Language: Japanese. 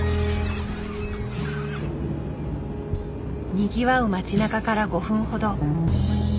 にぎわう町なかから５分ほど。